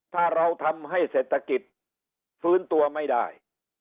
ถ้าเราทำให้เศรษฐกิจฟื้นตัวไม่ได้